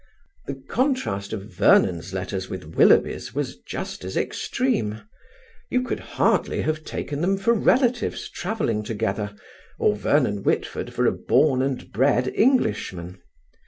The contrast of Vernon's letters with Willoughby's was just as extreme. You could hardly have taken them for relatives travelling together, or Vernon Whitford for a born and bred Englishman.